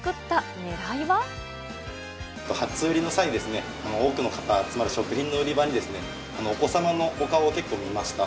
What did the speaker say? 初売りの際に、多くの方、つまり食品の売り場にお子様のお顔を結構見ました。